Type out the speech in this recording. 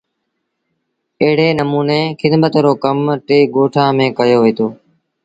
ايڙي نموني کدمت رو ڪم با ٽي ڳوٺآݩ ميݩ ڪيو وهيٚتو۔